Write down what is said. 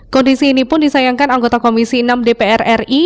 kondisi ini pun disayangkan anggota komisi enam dpr ri